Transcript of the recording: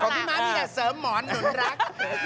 ขอบที่ม้าเวียก่อนเสริมหมอนหนุนรัก